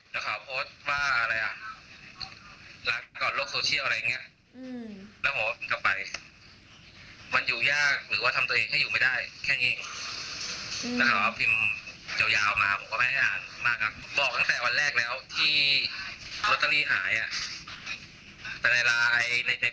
บอกว่าไม่ได้บอกเพิ่งมาเกิดเรื่องแล้วเขาบอกอะไรประมาณเนี้ย